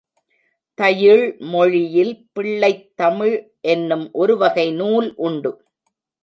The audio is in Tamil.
தயிழ் மொழியில் பிள்ளைத் தமிழ் என்னும் ஒருவகை நூல் உண்டு.